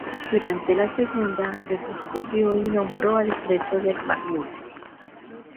Durante la segunda se descubrió y nombró al estrecho de McMurdo.